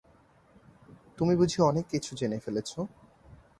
তুমি বুঝি অনেক কিছু জেনে ফেলেছ?